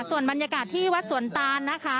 ส่วนบรรยากาศที่วัดสวนตล